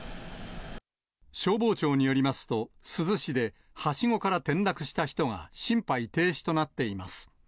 消防庁によりますと、珠洲市ではしごから転落した人が心肺停止となっています。